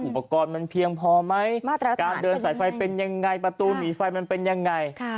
อุปกรณ์มันเพียงพอไหมมาตรการเดินสายไฟเป็นยังไงประตูหนีไฟมันเป็นยังไง